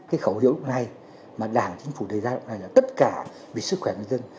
cái khẩu hiệu lúc này mà đảng chính phủ đề ra lúc này là tất cả vì sức khỏe người dân